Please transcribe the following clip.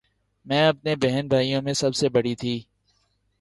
میں اپنے بہن بھائیوں میں سب سے بڑی تھی